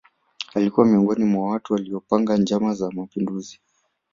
Alikuwa miongoni mwa watu waliopanga njama za mapinduzi